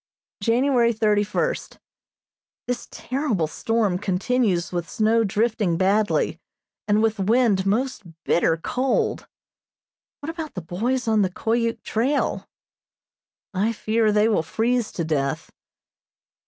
January thirty first: This terrible storm continues with snow drifting badly, and with wind most bitter cold. What about the boys on the Koyuk trail? I fear they will freeze to death.